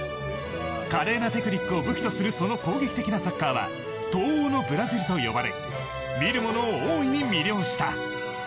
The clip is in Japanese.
華麗なテクニックを武器とするその攻撃的なサッカーは東欧のブラジルと呼ばれ見る者を大いに魅了した。